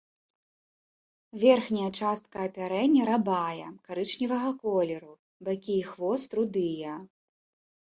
Верхняя частка апярэння рабая, карычневага колеру, бакі і хвост рудыя.